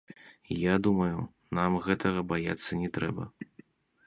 Я думаю, нам гэтага баяцца не трэба.